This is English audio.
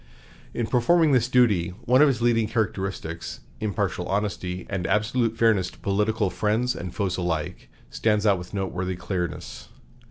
In performing this duty, one of his leading characteristics, impartial honesty and absolute fairness to political friends and foes alike, stands out with noteworthy clearness.